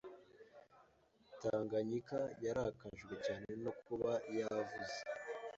Tanganyikaya rakajwe cyane no kuba yavuze